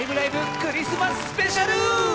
クリスマススペシャル」